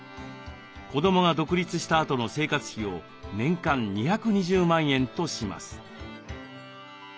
子どもが独立したあとの生活費を年間２２０万円とします。